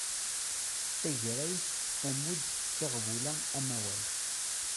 Tagrayt, ammud, tiɣbula, amawal